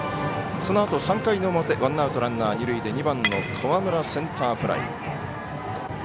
そのあと３回の表ワンアウト、ランナー、二塁で２番の河村、センターフライ。